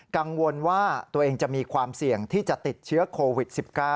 กังวลว่าตัวเองจะมีความเสี่ยงที่จะติดเชื้อโควิด๑๙